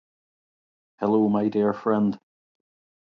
Hello my dear friend